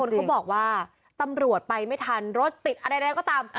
เขาบอกว่าตำรวจไปไม่ทันรถติดอะไรใดก็ตาม